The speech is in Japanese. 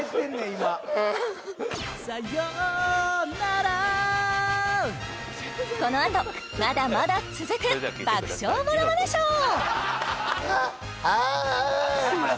今このあとまだまだ続く爆笑ものまねショー